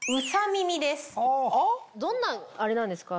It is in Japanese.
どんなあれなんですか？